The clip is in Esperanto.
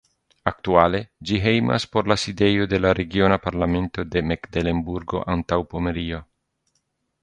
Aktuale ĝi hejmas por la sidejo de la Regiona Parlamento de Meklenburgo-Antaŭpomerio.